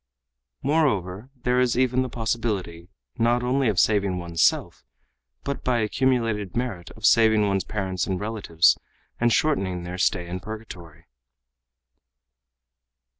Moreover, there is even the possibility not only of saving one's self, but by accumulated merit of saving one's parents and relatives and shortening their stay in purgatory."